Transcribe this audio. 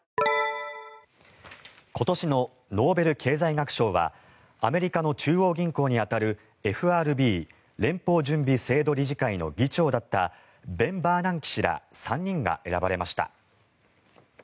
今年のノーベル経済学賞はアメリカの中央銀行に当たるＦＲＢ・連邦準備制度理事会の議長だったベン・バーナンキ氏ら３人が選ばれました。